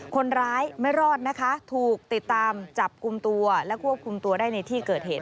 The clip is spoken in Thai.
คนร้ายไม่รอดนะคะถูกติดตามจับกลุ่มตัวและควบคุมตัวได้ในที่เกิดเหตุ